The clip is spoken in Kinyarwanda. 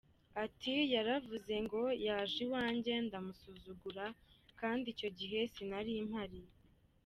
Ati “Yaravuze ngo yaje iwanjye ndamusuzugura kandi icyo gihe sinari mpari.